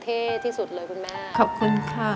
ทั้งในเรื่องของการทำงานเคยทำนานแล้วเกิดปัญหาน้อย